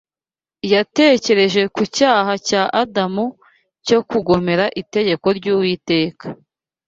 Yatekereje ku cyaha cya Adamu cyo kugomera itegeko ry’Uwiteka